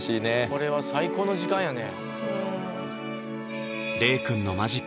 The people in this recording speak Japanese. これは最高の時間やね